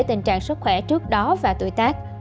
tình trạng sức khỏe trước đó và tuổi tác